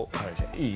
いい？